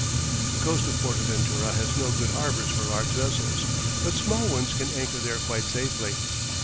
The coast of Fortaventura has no good harbours for large vessels, but small ones can anchor there quite safely.